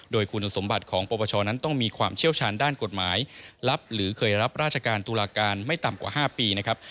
โดยคุณสมบัติของปปชนั้นต้องมีความเชี่ยวชาญด้านกฎหมายลับหรือเคยรับราชการตุลาการไม่ต่ำกว่า๕ปีนะครับ